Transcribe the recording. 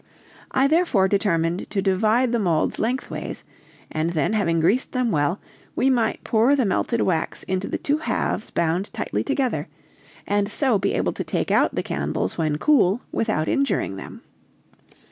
I therefore determined to divide the molds length ways, and then having greased them well, we might pour the melted wax into the two halves bound tightly together, and so be able to take out the candles when cool without injuring them.